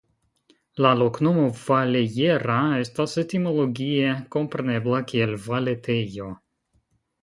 La loknomo "Vallejera" estas etimologie komprenebla kiel "Valetejo".